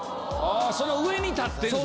その上に立ってる！